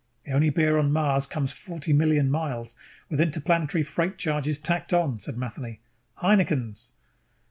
"The only beer on Mars comes forty million miles, with interplanetary freight charges tacked on," said Matheny. "Heineken's!"